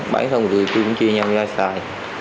bán xong rồi tụi tôi cũng chia nhau ra xài